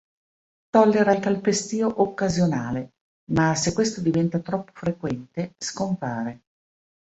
Tollera il calpestio occasionale ma, se questo diventa troppo frequente, scompare.